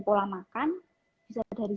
pola makan bisa dari